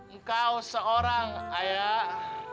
engkau seorang ayah